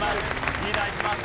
リーダーいきます。